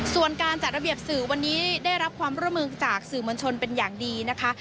ส่วนการจัดระเบียบสื่อวันนี้ได้รับความร่วมมือจากสื่อมวลชนเป็นอย่างดีนะคะ